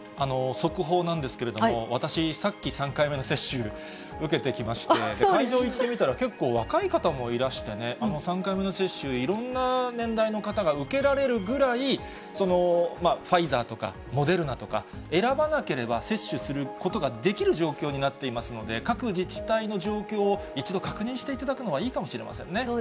速報なんですけれども、私、さっき３回目の接種、受けてきまして、会場行ってみたら、結構若い方もいらしてね、３回目の接種、いろんな年代の方が受けられるぐらい、ファイザーとか、モデルナとか、選ばなければ、接種することができる状況になっていますので、各自治体の状況を、一度確認していただくのがいいかもしれませんね。